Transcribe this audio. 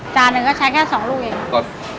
หนึ่งก็ใช้แค่๒ลูกเอง